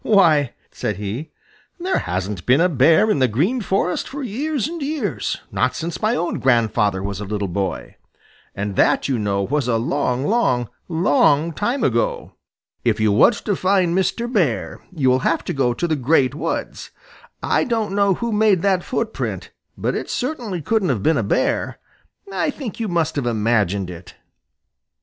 "Why," said he, "there hasn't been a Bear in the Green Forest for years and years and years, not since my own grandfather was a little boy, and that, you know, was a long, long, long time ago. If you want to find Mr. Bear, you will have to go to the Great Woods. I don't know who made that footprint, but it certainly couldn't have been a Bear. I think you must have imagined it."